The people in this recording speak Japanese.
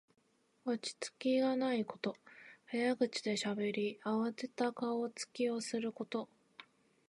落ち着きがないこと。早口でしゃべり、あわてた顔つきをすること。